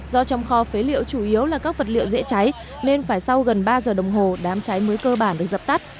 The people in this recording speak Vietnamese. do trong kho phế liệu chủ yếu là các vật liệu dễ cháy nên phải sau gần ba giờ đồng hồ đám cháy mới cơ bản được dập tắt